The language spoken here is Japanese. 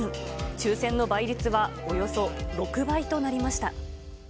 抽せんの倍率はおよそ６倍となりました。